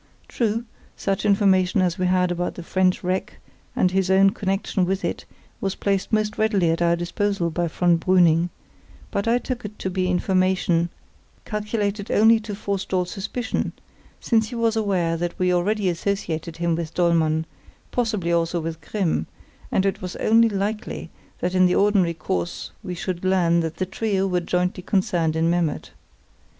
True, such information as we had about the French wreck and his own connection with it was placed most readily at our disposal by von Brüning; but I took it to be information calculated only to forestall suspicion, since he was aware that we already associated him with Dollmann, possibly also with Grimm, and it was only likely that in the ordinary course we should learn that the trio were jointly concerned in Memmert.